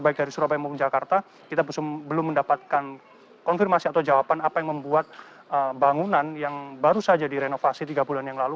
baik dari surabaya maupun jakarta kita belum mendapatkan konfirmasi atau jawaban apa yang membuat bangunan yang baru saja direnovasi tiga bulan yang lalu